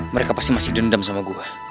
mereka pasti masih dendam sama gue